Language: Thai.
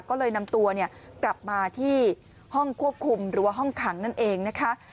ก็เลยนำตัวกลับมาที่ห้องควบคุมหรือว่าห้องขังนั่นเองนะคะ